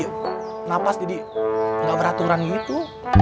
tidak pernah nafas jadi gak beraturan gitu